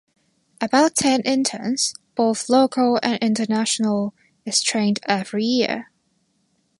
About ten interns (both local and international) is trained every year.